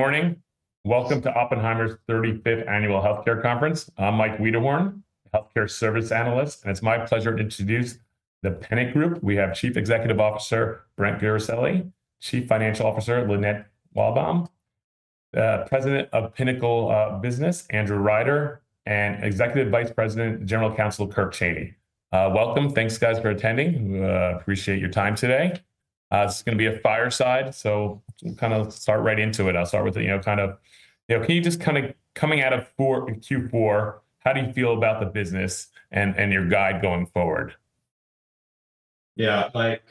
Morning. Welcome to Oppenheimer's 35th Annual Healthcare Conference. I'm Mike Wiederhorn, Healthcare Service Analyst, and it's my pleasure to introduce the Pennant Group. We have Chief Executive Officer Brent Guerisoli, Chief Financial Officer Lynette Walbom, President of Pinnacle Business Andrew Ryder, and Executive Vice President, General Counsel Kirk Cheney. Welcome. Thanks, guys, for attending. Appreciate your time today. This is going to be a fireside, so we'll kind of start right into it. I'll start with, you know, kind of, you know, can you just kind of, coming out of Q4, how do you feel about the business and your guide going forward? Yeah, Mike,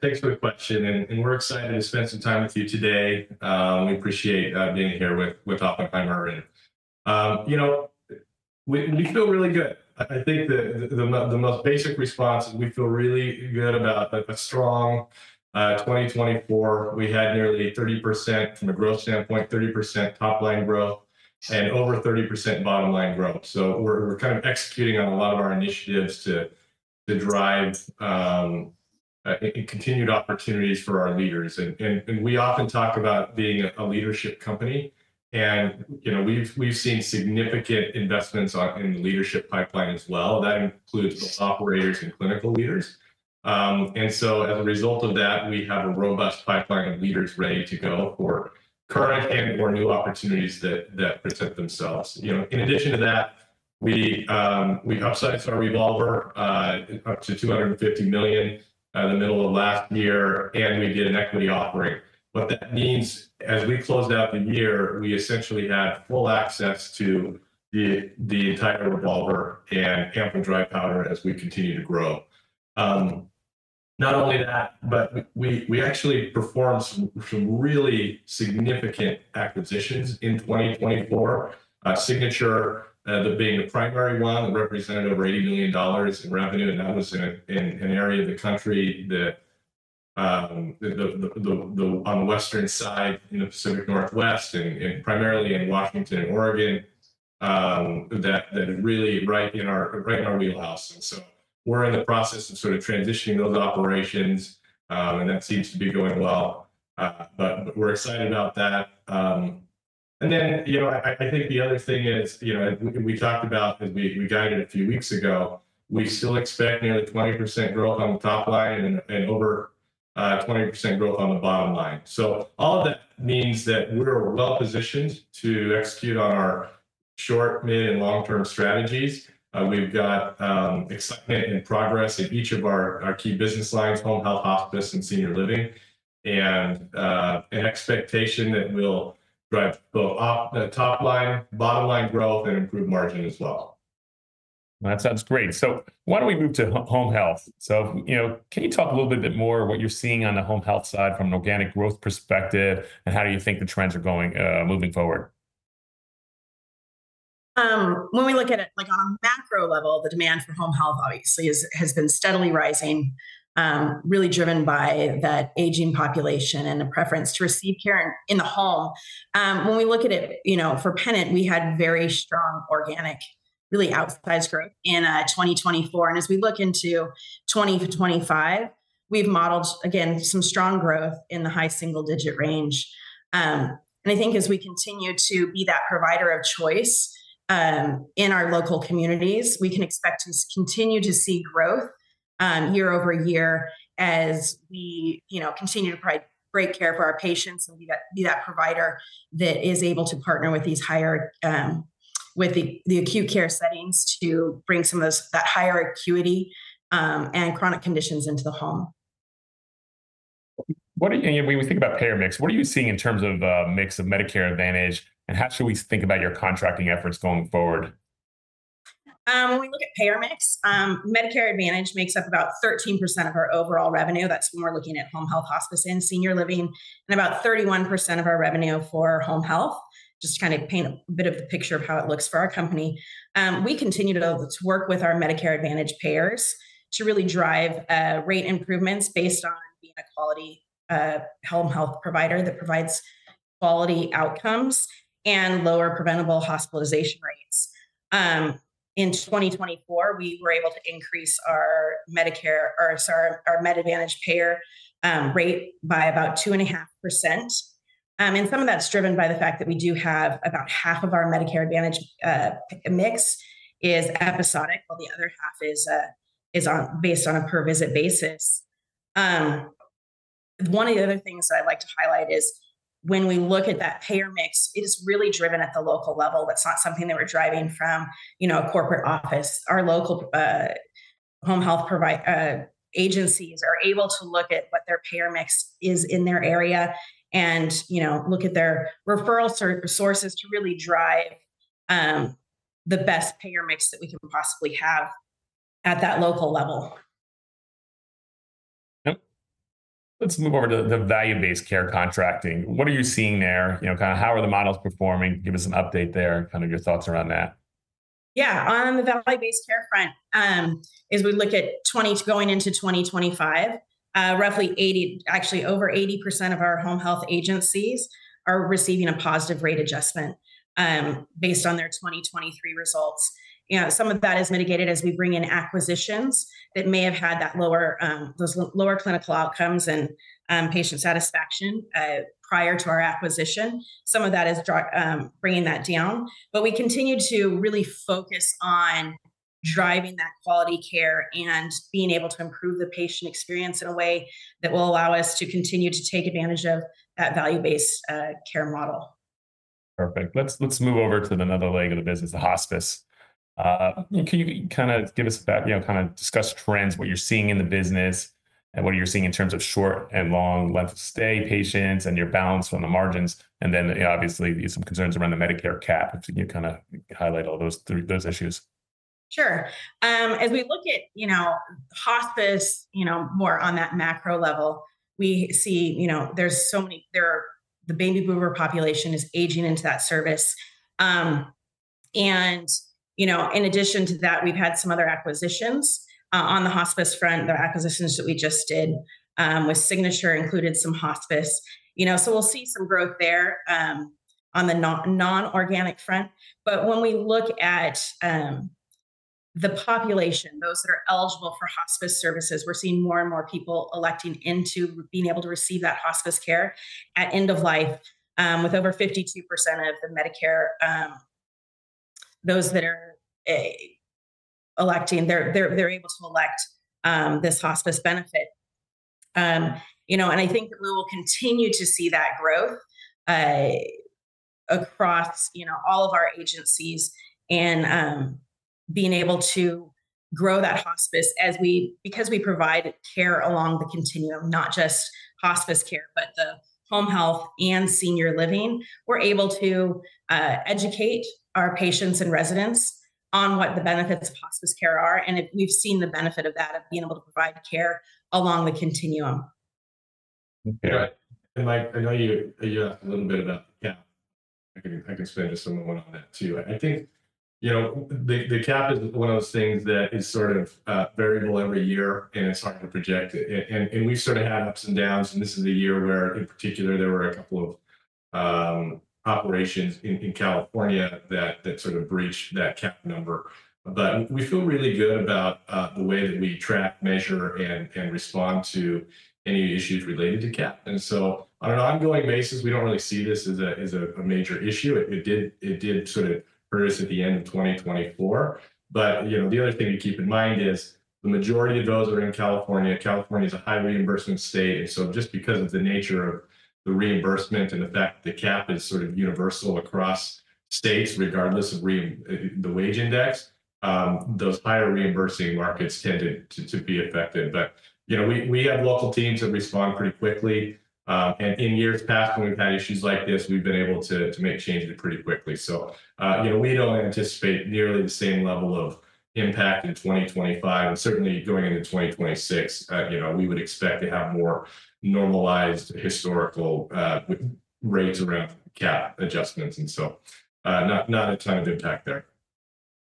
thanks for the question. We're excited to spend some time with you today. We appreciate being here with Oppenheimer. You know, we feel really good. I think the most basic response is we feel really good about a strong 2024. We had nearly 30% from a growth standpoint, 30% top-line growth, and over 30% bottom-line growth. We're kind of executing on a lot of our initiatives to drive continued opportunities for our leaders. We often talk about being a leadership company. You know, we've seen significant investments in the leadership pipeline as well. That includes both operators and clinical leaders. As a result of that, we have a robust pipeline of leaders ready to go for current and/or new opportunities that present themselves. You know, in addition to that, we upsized our revolver up to $250 million in the middle of last year, and we did an equity offering. What that means, as we closed out the year, we essentially had full access to the entire revolver and ample dry powder as we continue to grow. Not only that, but we actually performed some really significant acquisitions in 2024. Signature being the primary one, represented over $80 million in revenue. That was in an area of the country on the western side in the Pacific Northwest, and primarily in Washington and Oregon, that really right in our right in our wheelhouse. We are in the process of sort of transitioning those operations, and that seems to be going well. We are excited about that. You know, I think the other thing is, you know, we talked about, as we guided a few weeks ago, we still expect nearly 20% growth on the top line and over 20% growth on the bottom line. All of that means that we're well positioned to execute on our short, mid, and long-term strategies. We've got excitement and progress in each of our key business lines: home health, hospice, and senior living, and an expectation that we'll drive both top line, bottom line growth, and improve margin as well. That sounds great. Why don't we move to home health? You know, can you talk a little bit more of what you're seeing on the home health side from an organic growth perspective, and how do you think the trends are going moving forward? When we look at it, like on a macro level, the demand for home health obviously has been steadily rising, really driven by that aging population and the preference to receive care in the home. When we look at it, you know, for Pennant, we had very strong organic, really outsized growth in 2024. As we look into 2025, we've modeled, again, some strong growth in the high single-digit range. I think as we continue to be that provider of choice in our local communities, we can expect to continue to see growth year over year as we, you know, continue to provide great care for our patients and be that provider that is able to partner with these higher, with the acute care settings to bring some of that higher acuity and chronic conditions into the home. What do you, when we think about payer mix, what are you seeing in terms of the mix of Medicare Advantage, and how should we think about your contracting efforts going forward? When we look at payer mix, Medicare Advantage makes up about 13% of our overall revenue. That's when we're looking at home health, hospice, and senior living, and about 31% of our revenue for home health, just to kind of paint a bit of the picture of how it looks for our company. We continue to work with our Medicare Advantage payers to really drive rate improvements based on being a quality home health provider that provides quality outcomes and lower preventable hospitalization rates. In 2024, we were able to increase our Medicare, or sorry, our Med Advantage payer rate by about 2.5%. Some of that's driven by the fact that we do have about half of our Medicare Advantage mix is episodic, while the other half is based on a per-visit basis. One of the other things that I'd like to highlight is when we look at that payer mix, it is really driven at the local level. That's not something that we're driving from, you know, a corporate office. Our local home health agencies are able to look at what their payer mix is in their area and, you know, look at their referral sources to really drive the best payer mix that we can possibly have at that local level. Yep. Let's move over to the value-based care contracting. What are you seeing there? You know, kind of how are the models performing? Give us an update there, kind of your thoughts around that. Yeah, on the value-based care front, as we look at going into 2025, roughly 80, actually over 80% of our home health agencies are receiving a positive rate adjustment based on their 2023 results. You know, some of that is mitigated as we bring in acquisitions that may have had those lower clinical outcomes and patient satisfaction prior to our acquisition. Some of that is bringing that down. We continue to really focus on driving that quality care and being able to improve the patient experience in a way that will allow us to continue to take advantage of that value-based care model. Perfect. Let's move over to another leg of the business, the hospice. Can you kind of give us, you know, kind of discuss trends, what you're seeing in the business, and what you're seeing in terms of short and long length of stay patients and your balance on the margins? Obviously, some concerns around the Medicare cap, if you can kind of highlight all those issues. Sure. As we look at, you know, hospice, you know, more on that macro level, we see, you know, there's so many, the baby boomer population is aging into that service. And, you know, in addition to that, we've had some other acquisitions on the hospice front, the acquisitions that we just did with Signature included some hospice. You know, we'll see some growth there on the non-organic front. When we look at the population, those that are eligible for hospice services, we're seeing more and more people electing into being able to receive that hospice care at end of life, with over 52% of the Medicare, those that are electing, they're able to elect this hospice benefit. You know, and I think that we will continue to see that growth across, you know, all of our agencies and being able to grow that hospice as we, because we provide care along the continuum, not just hospice care, but the home health and senior living, we're able to educate our patients and residents on what the benefits of hospice care are. We have seen the benefit of that, of being able to provide care along the continuum. Okay. Mike, I know you asked a little bit about the cap. I can explain to someone on that too. I think, you know, the cap is one of those things that is sort of variable every year, and it's hard to project it. We've sort of had ups and downs. This is a year where, in particular, there were a couple of operations in California that sort of breached that cap number. We feel really good about the way that we track, measure, and respond to any issues related to cap. On an ongoing basis, we don't really see this as a major issue. It did sort of produce at the end of 2024. The other thing to keep in mind is the majority of those are in California. California is a high-reimbursement state. Just because of the nature of the reimbursement and the fact that the cap is sort of universal across states, regardless of the wage index, those higher reimbursing markets tend to be affected. You know, we have local teams that respond pretty quickly. In years past, when we've had issues like this, we've been able to make changes pretty quickly. You know, we don't anticipate nearly the same level of impact in 2025. Certainly going into 2026, you know, we would expect to have more normalized historical rates around cap adjustments. Not a ton of impact there.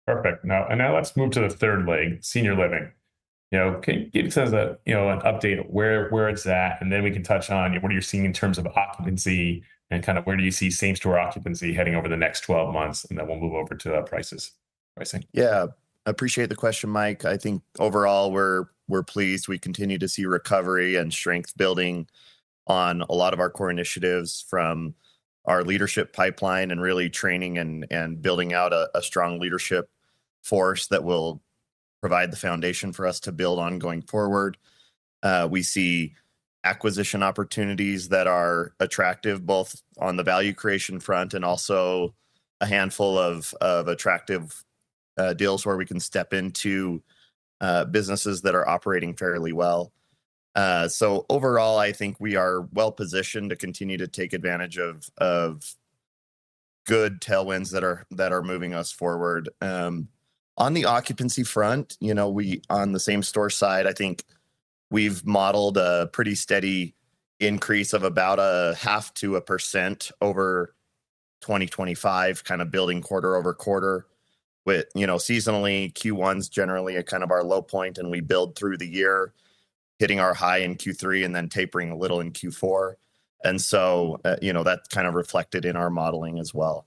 Perfect. Now, let's move to the third leg, senior living. You know, can you give us an update of where it's at? Then we can touch on what you're seeing in terms of occupancy and kind of where do you see same-store occupancy heading over the next 12 months? Then we'll move over to pricing. Yeah, I appreciate the question, Mike. I think overall, we're pleased. We continue to see recovery and strength building on a lot of our core initiatives from our leadership pipeline and really training and building out a strong leadership force that will provide the foundation for us to build on going forward. We see acquisition opportunities that are attractive both on the value creation front and also a handful of attractive deals where we can step into businesses that are operating fairly well. Overall, I think we are well positioned to continue to take advantage of good tailwinds that are moving us forward. On the occupancy front, you know, on the same-store side, I think we've modeled a pretty steady increase of about 0.5% to 1% over 2025, kind of building quarter over quarter. You know, seasonally, Q1s generally are kind of our low point, and we build through the year, hitting our high in Q3 and then tapering a little in Q4. You know, that's kind of reflected in our modeling as well.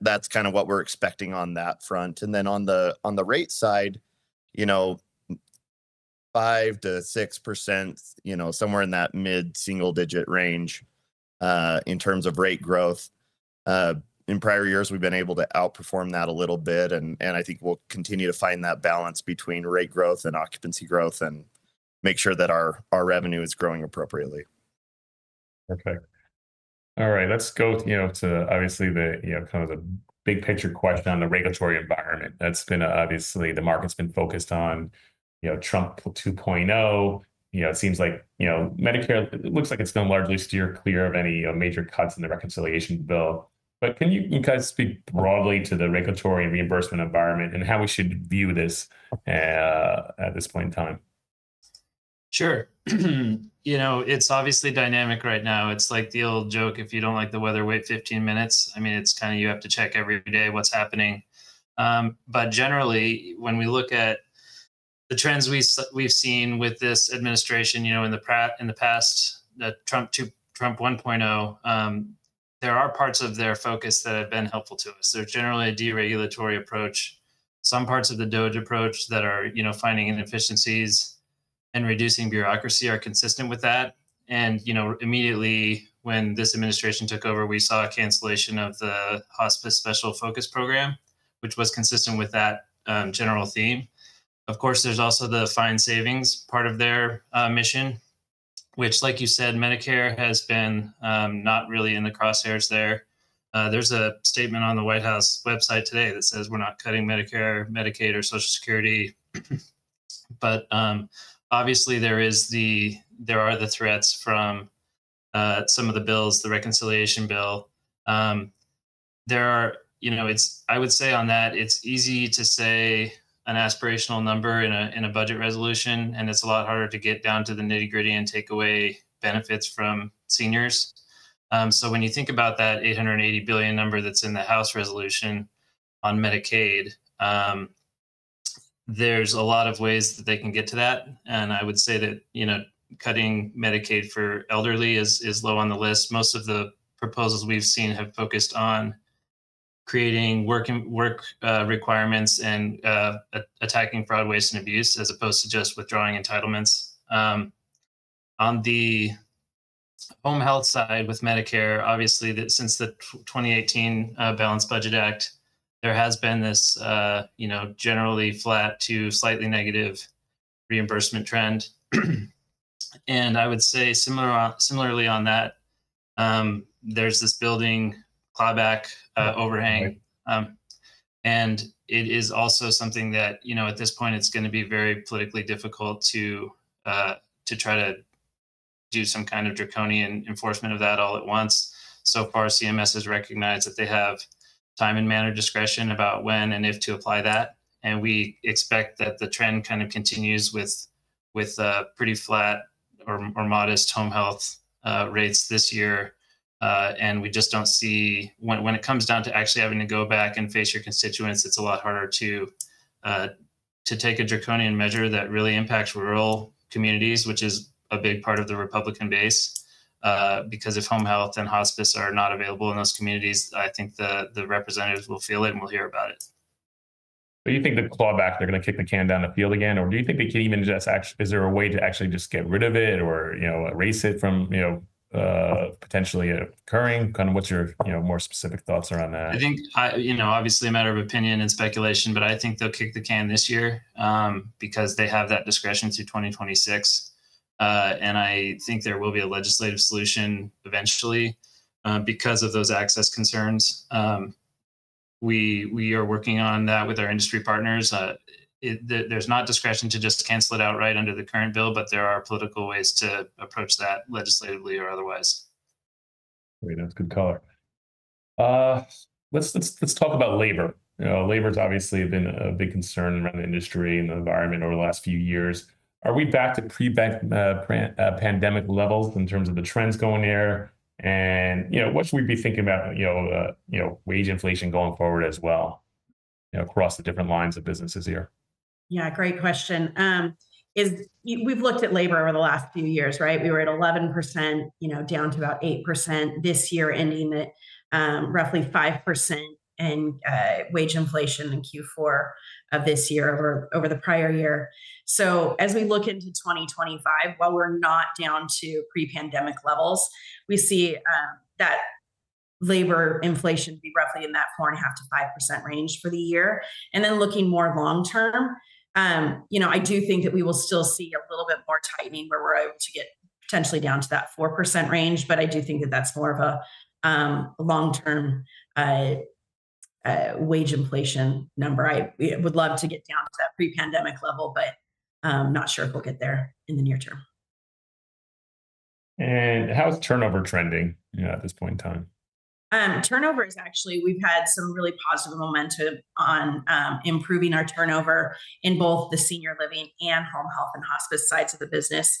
That's kind of what we're expecting on that front. On the rate side, you know, 5%-6%, you know, somewhere in that mid-single-digit range in terms of rate growth. In prior years, we've been able to outperform that a little bit. I think we'll continue to find that balance between rate growth and occupancy growth and make sure that our revenue is growing appropriately. Okay. All right. Let's go, you know, to obviously the, you know, kind of the big-picture question on the regulatory environment. That's been obviously, the market's been focused on, you know, Trump 2.0. You know, it seems like, you know, Medicare looks like it's been largely steer clear of any major cuts in the reconciliation bill. But can you kind of speak broadly to the regulatory reimbursement environment and how we should view this at this point in time? Sure. You know, it's obviously dynamic right now. It's like the old joke, if you don't like the weather, wait 15 minutes. I mean, it's kind of you have to check every day what's happening. Generally, when we look at the trends we've seen with this administration, you know, in the past, the Trump 1.0, there are parts of their focus that have been helpful to us. There's generally a deregulatory approach. Some parts of the DOJ approach that are, you know, finding inefficiencies and reducing bureaucracy are consistent with that. You know, immediately when this administration took over, we saw a cancellation of the Hospice Special Focus Program, which was consistent with that general theme. Of course, there's also the fine savings part of their mission, which, like you said, Medicare has been not really in the crosshairs there. There's a statement on the White House website today that says we're not cutting Medicare, Medicaid, or Social Security. Obviously, there are the threats from some of the bills, the reconciliation bill. I would say on that, it's easy to say an aspirational number in a budget resolution, and it's a lot harder to get down to the nitty-gritty and take away benefits from seniors. When you think about that $880 billion number that's in the House resolution on Medicaid, there's a lot of ways that they can get to that. I would say that cutting Medicaid for elderly is low on the list. Most of the proposals we've seen have focused on creating work requirements and attacking fraud, waste, and abuse as opposed to just withdrawing entitlements. On the home health side with Medicare, obviously, since the 2018 Balanced Budget Act, there has been this, you know, generally flat to slightly negative reimbursement trend. I would say similarly on that, there's this building clawback overhang. It is also something that, you know, at this point, it's going to be very politically difficult to try to do some kind of draconian enforcement of that all at once. So far, CMS has recognized that they have time and manner discretion about when and if to apply that. We expect that the trend kind of continues with pretty flat or modest home health rates this year. We just do not see, when it comes down to actually having to go back and face your constituents, it is a lot harder to take a draconian measure that really impacts rural communities, which is a big part of the Republican base. Because if home health and hospice are not available in those communities, I think the representatives will feel it and will hear about it. Do you think the clawback, they're going to kick the can down the field again? Or do you think they can even just, is there a way to actually just get rid of it or, you know, erase it from, you know, potentially occurring? Kind of what's your, you know, more specific thoughts around that? I think, you know, obviously a matter of opinion and speculation, but I think they'll kick the can this year because they have that discretion through 2026. I think there will be a legislative solution eventually because of those access concerns. We are working on that with our industry partners. There's not discretion to just cancel it outright under the current bill, but there are political ways to approach that legislatively or otherwise. Great. That's good color. Let's talk about labor. You know, labor's obviously been a big concern around the industry and the environment over the last few years. Are we back to pre-pandemic levels in terms of the trends going there? You know, what should we be thinking about, you know, wage inflation going forward as well, you know, across the different lines of businesses here? Yeah, great question. We've looked at labor over the last few years, right? We were at 11%, you know, down to about 8% this year, ending at roughly 5% in wage inflation in Q4 of this year over the prior year. As we look into 2025, while we're not down to pre-pandemic levels, we see that labor inflation be roughly in that 4.5%-5% range for the year. Looking more long-term, you know, I do think that we will still see a little bit more tightening where we're able to get potentially down to that 4% range. I do think that that's more of a long-term wage inflation number. I would love to get down to that pre-pandemic level, but I'm not sure if we'll get there in the near term. How is turnover trending at this point in time? Turnover is actually, we've had some really positive momentum on improving our turnover in both the senior living and home health and hospice sides of the business.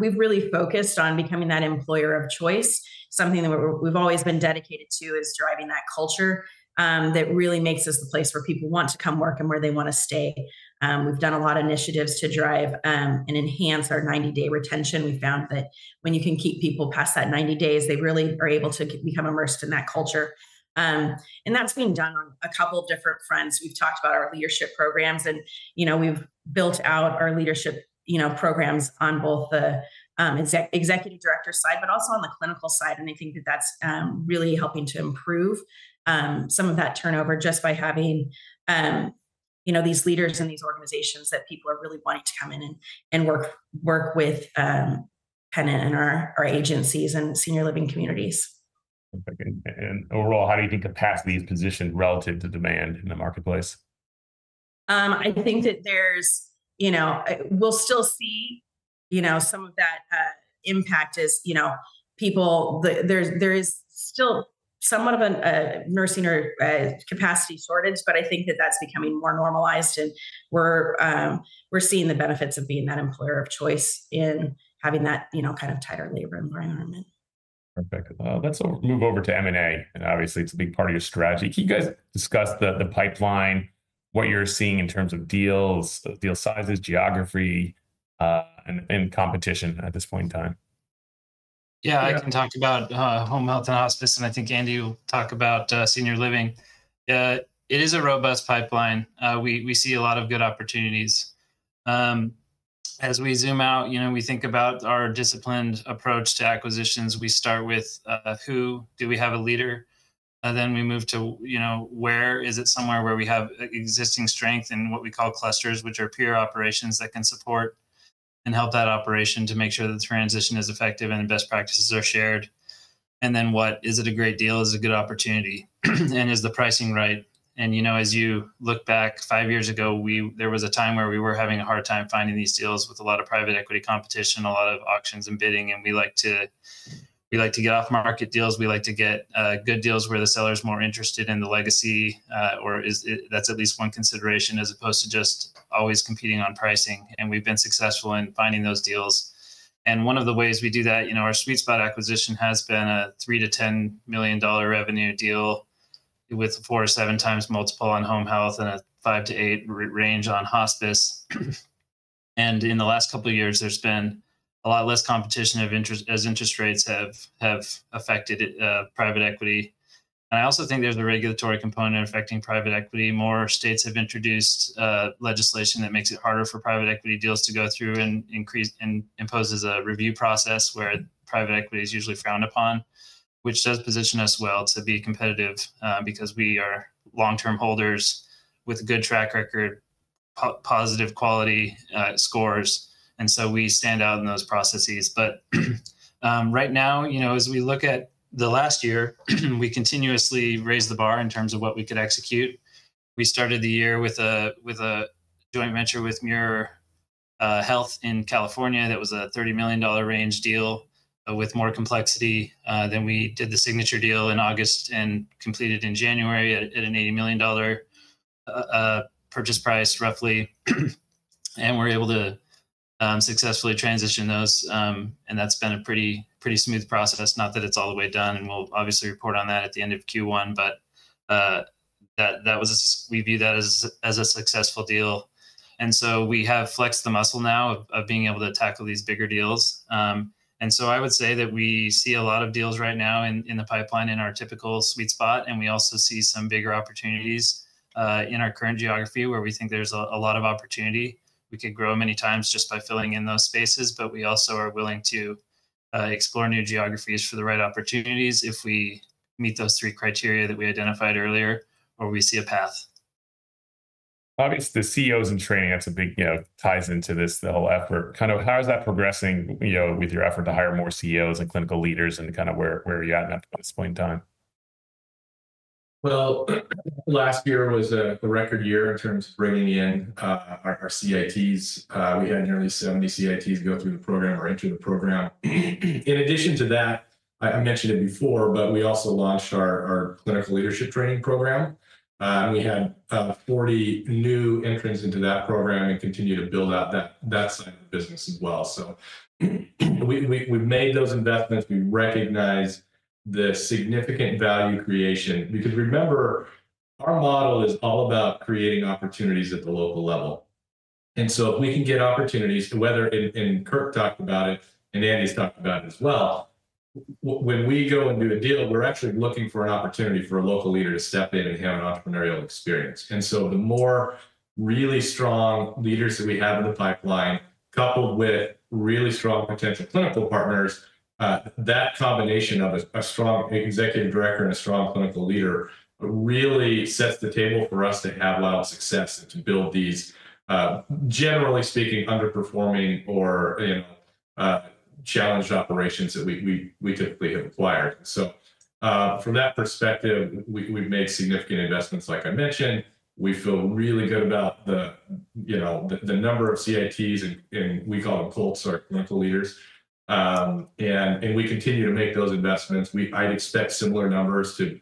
We've really focused on becoming that employer of choice. Something that we've always been dedicated to is driving that culture that really makes us the place where people want to come work and where they want to stay. We've done a lot of initiatives to drive and enhance our 90-day retention. We found that when you can keep people past that 90 days, they really are able to become immersed in that culture. That's being done on a couple of different fronts. We've talked about our leadership programs. You know, we've built out our leadership programs on both the executive director side, but also on the clinical side. I think that that's really helping to improve some of that turnover just by having, you know, these leaders and these organizations that people are really wanting to come in and work with Pennant and our agencies and senior living communities. Overall, how do you think capacity is positioned relative to demand in the marketplace? I think that there's, you know, we'll still see, you know, some of that impact is, you know, people, there is still somewhat of a nursing or capacity shortage, but I think that that's becoming more normalized. We're seeing the benefits of being that employer of choice in having that, you know, kind of tighter labor environment. Perfect. Let's move over to M&A. Obviously, it's a big part of your strategy. Can you guys discuss the pipeline, what you're seeing in terms of deals, deal sizes, geography, and competition at this point in time? Yeah, I can talk about home health and hospice. I think Andy will talk about senior living. It is a robust pipeline. We see a lot of good opportunities. As we zoom out, you know, we think about our disciplined approach to acquisitions. We start with who do we have a leader? Then we move to, you know, where is it somewhere where we have existing strength and what we call clusters, which are peer operations that can support and help that operation to make sure that the transition is effective and the best practices are shared. What is it a great deal? Is it a good opportunity? Is the pricing right? You know, as you look back five years ago, there was a time where we were having a hard time finding these deals with a lot of private equity competition, a lot of auctions and bidding. We like to get off-market deals. We like to get good deals where the seller is more interested in the legacy, or that's at least one consideration as opposed to just always competing on pricing. We have been successful in finding those deals. One of the ways we do that, you know, our sweet spot acquisition has been a $3 million-$10 million revenue deal with a four-seven times multiple on home health and a five-eight range on hospice. In the last couple of years, there has been a lot less competition as interest rates have affected private equity. I also think there's a regulatory component affecting private equity. More states have introduced legislation that makes it harder for private equity deals to go through and imposes a review process where private equity is usually frowned upon, which does position us well to be competitive because we are long-term holders with a good track record, positive quality scores. We stand out in those processes. Right now, you know, as we look at the last year, we continuously raised the bar in terms of what we could execute. We started the year with a joint venture with Muir Health in California that was a $30 million range deal with more complexity, then we did the Signature deal in August and completed in January at an $80 million purchase price roughly. We were able to successfully transition those. That has been a pretty smooth process, not that it is all the way done. We will obviously report on that at the end of Q1. That was, we view that as a successful deal. We have flexed the muscle now of being able to tackle these bigger deals. I would say that we see a lot of deals right now in the pipeline in our typical sweet spot. We also see some bigger opportunities in our current geography where we think there is a lot of opportunity. We could grow many times just by filling in those spaces. We also are willing to explore new geographies for the right opportunities if we meet those three criteria that we identified earlier or we see a path. Obviously, the CEOs in training, that's a big, you know, ties into this whole effort. Kind of how is that progressing, you know, with your effort to hire more CEOs and clinical leaders and kind of where are you at at this point in time? Last year was a record year in terms of bringing in our CITs. We had nearly 70 CITs go through the program or enter the program. In addition to that, I mentioned it before, but we also launched our clinical leadership training program. We had 40 new entrants into that program and continue to build out that side of the business as well. We have made those investments. We recognize the significant value creation because remember, our model is all about creating opportunities at the local level. If we can get opportunities, whether Kirk talked about it and Andy's talked about it as well, when we go and do a deal, we are actually looking for an opportunity for a local leader to step in and have an entrepreneurial experience. The more really strong leaders that we have in the pipeline, coupled with really strong potential clinical partners, that combination of a strong Executive Director and a strong clinical leader really sets the table for us to have a lot of success and to build these, generally speaking, underperforming or, you know, challenged operations that we typically have acquired. From that perspective, we've made significant investments, like I mentioned. We feel really good about the, you know, the number of CITs, and we call them CITs or clinical leaders. We continue to make those investments. I'd expect similar numbers like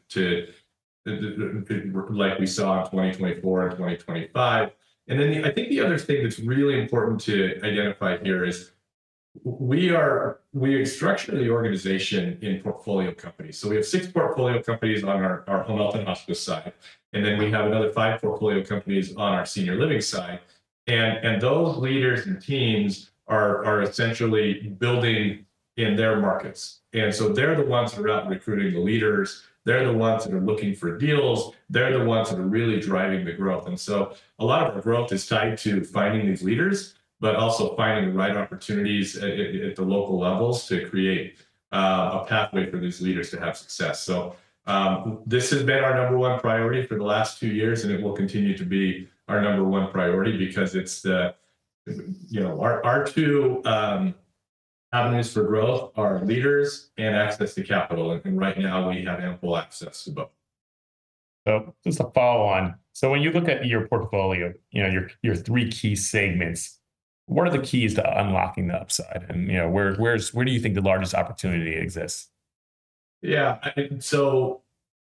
we saw in 2024 and 2025. I think the other thing that's really important to identify here is we are structurally organized in portfolio companies. We have six portfolio companies on our Home Health and Hospice side. We have another five portfolio companies on our senior living side. Those leaders and teams are essentially building in their markets. They are the ones who are out recruiting the leaders. They are the ones that are looking for deals. They are the ones that are really driving the growth. A lot of our growth is tied to finding these leaders, but also finding the right opportunities at the local levels to create a pathway for these leaders to have success. This has been our number one priority for the last two years, and it will continue to be our number one priority because, you know, our two avenues for growth are leaders and access to capital. Right now, we have ample access to both. Just to follow on. When you look at your portfolio, you know, your three key segments, what are the keys to unlocking the upside? And, you know, where do you think the largest opportunity exists? Yeah.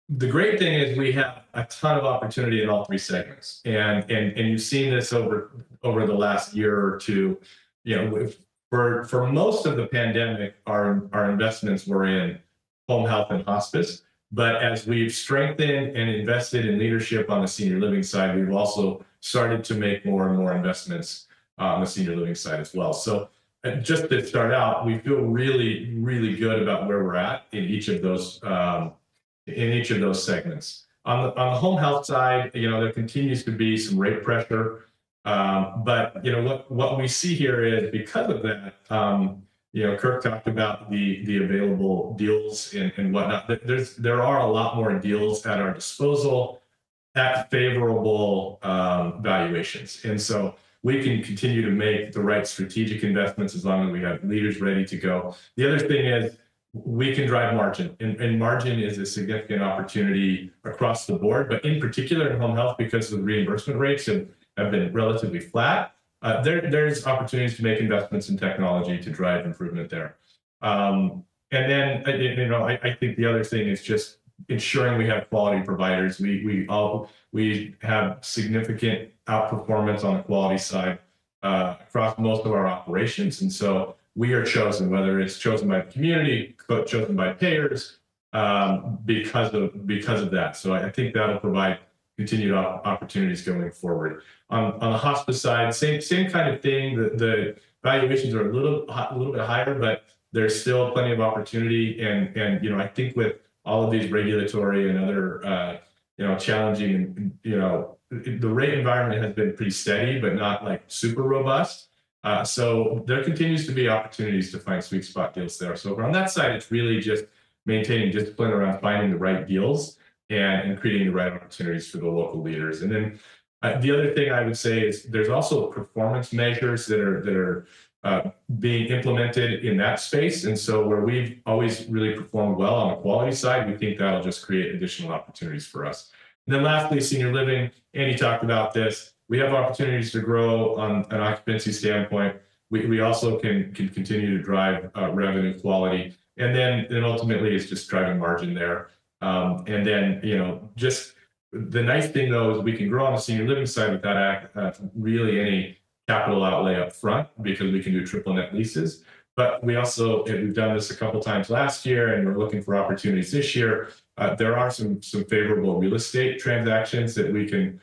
The great thing is we have a ton of opportunity in all three segments. You have seen this over the last year or two. You know, for most of the pandemic, our investments were in home health and hospice. As we have strengthened and invested in leadership on the senior living side, we have also started to make more and more investments on the senior living side as well. Just to start out, we feel really, really good about where we are at in each of those segments. On the home health side, you know, there continues to be some rate pressure. You know, what we see here is because of that, you know, Kirk talked about the available deals and whatnot, there are a lot more deals at our disposal at favorable valuations. We can continue to make the right strategic investments as long as we have leaders ready to go. The other thing is we can drive margin. Margin is a significant opportunity across the board, but in particular in home health because the reimbursement rates have been relatively flat. There are opportunities to make investments in technology to drive improvement there. You know, I think the other thing is just ensuring we have quality providers. We have significant outperformance on the quality side across most of our operations. We are chosen, whether it is chosen by the community or chosen by payers, because of that. I think that will provide continued opportunities going forward. On the hospice side, same kind of thing. The valuations are a little bit higher, but there is still plenty of opportunity. You know, I think with all of these regulatory and other, you know, challenging, you know, the rate environment has been pretty steady, but not like super robust. There continues to be opportunities to find sweet spot deals there. On that side, it's really just maintaining discipline around finding the right deals and creating the right opportunities for the local leaders. The other thing I would say is there's also performance measures that are being implemented in that space. Where we've always really performed well on the quality side, we think that'll just create additional opportunities for us. Lastly, senior living, Andy talked about this. We have opportunities to grow on an occupancy standpoint. We also can continue to drive revenue quality. Ultimately, it's just driving margin there. You know, just the nice thing, though, is we can grow on the senior living side without really any capital outlay upfront because we can do triple net leases. We also, we've done this a couple of times last year, and we're looking for opportunities this year. There are some favorable real estate transactions that we can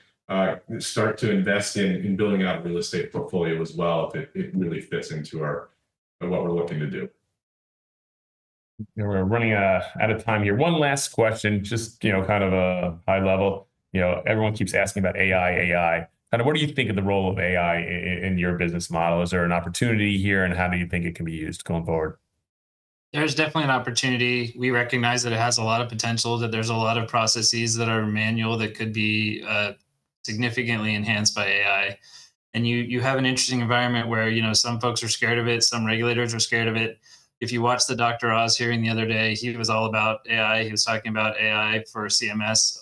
start to invest in building out a real estate portfolio as well if it really fits into what we're looking to do. We're running out of time here. One last question, just, you know, kind of a high level. You know, everyone keeps asking about AI, AI. Kind of what do you think of the role of AI in your business model? Is there an opportunity here, and how do you think it can be used going forward? There's definitely an opportunity. We recognize that it has a lot of potential, that there's a lot of processes that are manual that could be significantly enhanced by AI. You have an interesting environment where, you know, some folks are scared of it. Some regulators are scared of it. If you watched the Dr. Oz hearing the other day, he was all about AI. He was talking about AI for CMS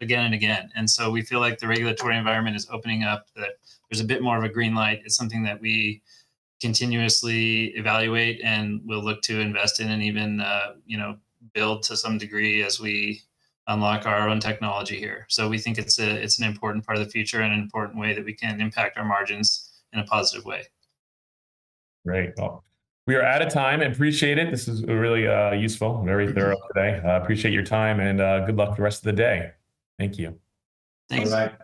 again and again. We feel like the regulatory environment is opening up, that there's a bit more of a green light. It's something that we continuously evaluate and will look to invest in and even, you know, build to some degree as we unlock our own technology here. We think it's an important part of the future and an important way that we can impact our margins in a positive way. Great. We are out of time. I appreciate it. This was really useful, very thorough today. Appreciate your time. Good luck the rest of the day. Thank you. Thanks.